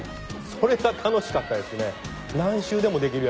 それが楽しかったですね。